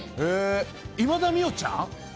今田美桜ちゃん。